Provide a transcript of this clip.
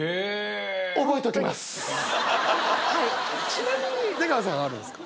ちなみに出川さんあるんですか？